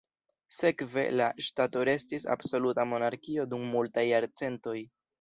Sekve, la ŝtato restis absoluta monarkio dum multaj jarcentoj.